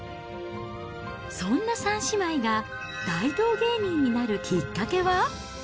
そんな３姉妹が大道芸人になるきっかけは。